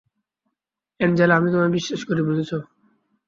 Angela, আমি তোমায় বিশ্বাস করি, বুঝেছ?